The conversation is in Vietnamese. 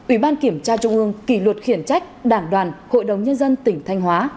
ủy ban kiểm tra trung ương kỷ luật khiển trách đảng đoàn hội đồng nhân dân tỉnh thanh hóa